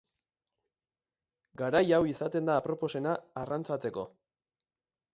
Garai hau izaten da aproposena arrantzatzeko.